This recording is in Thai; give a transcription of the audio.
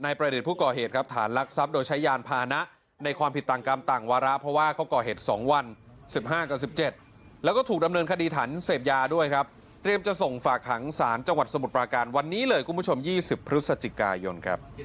หรือท่านอาจจะขอหลงข้าวเขียวก็ได้นะคะเพราะหลงข้าวเขียวเรามีฟังเนตางาน